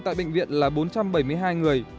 tại bệnh viện là bốn trăm bảy mươi hai người